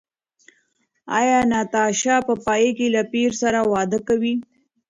ایا ناتاشا په پای کې له پییر سره واده کوي؟